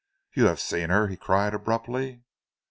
"You have seen her?" he cried abruptly.